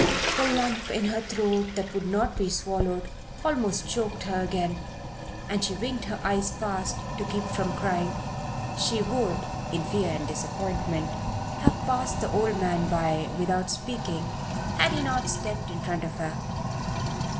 The lump in her throat that would not be swallowed almost choked her again, and she winked her eyes fast to keep from crying. She would, in her fear and disappointment, have passed the old man by without speaking had he not stepped in front of her.